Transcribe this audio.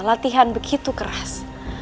latihan begitu keras